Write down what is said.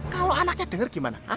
kalau anaknya denger gimana